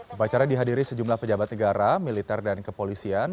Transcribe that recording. upacara dihadiri sejumlah pejabat negara militer dan kepolisian